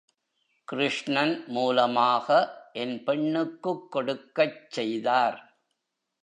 கிருஷ்ணன் மூலமாக, என் பெண்ணுக்குக் கொடுக்கச் செய்தார்.